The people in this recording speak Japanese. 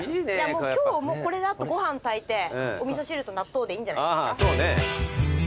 今日はもうこれであとご飯炊いてお味噌汁と納豆でいいんじゃないですか。